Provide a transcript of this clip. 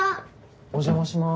お邪魔します。